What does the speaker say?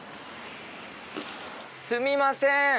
すみません！